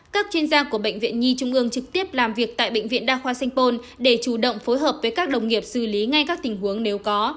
các chuyên gia của bệnh viện nhi trung ương trực tiếp làm việc tại bệnh viện đa khoa sanh pôn để chủ động phối hợp với các đồng nghiệp xử lý ngay các tình huống nếu có